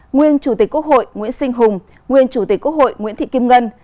nguyên chủ tịch quốc hội nguyễn sinh hùng nguyên chủ tịch quốc hội nguyễn thị kim ngân